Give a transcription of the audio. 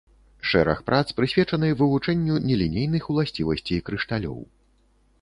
Шэраг прац прысвечаны вывучэнню нелінейных уласцівасцей крышталёў.